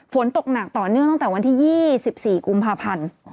ฝนตกหนักต่อเนื่องตั้งแต่วันที่๒๔กุมภาพันธ์